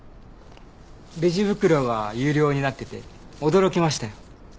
レジ袋が有料になってて驚きましたよ。